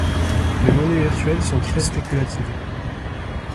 Les monnaies virtuelles sont très spéculatives.